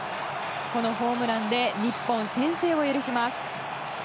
このホームランで日本、先制を許します。